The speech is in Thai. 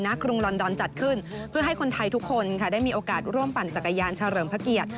กรุงลอนดอนจัดขึ้นเพื่อให้คนไทยทุกคนค่ะได้มีโอกาสร่วมปั่นจักรยานเฉลิมพระเกียรติ